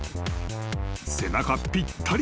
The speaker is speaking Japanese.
［背中ぴったり下り］